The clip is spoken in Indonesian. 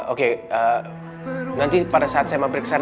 oke nanti pada saat saya mampir kesana